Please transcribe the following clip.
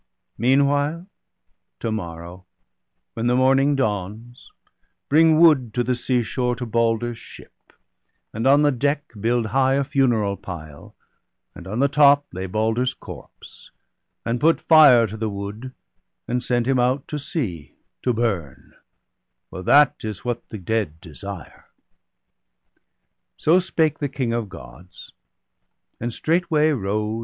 Meanwhile, to morrow, when the morning dawns, Bring wood to the seashore to Balder's ship, 138 BALDER DEAD. And on the deck build high a funeral pile, And on the top lay Balder's corpse, and put Fire to the wood, and send him out to sea To burn; for that is what the dead desire/ So spake the King of Gods, and straightway rose.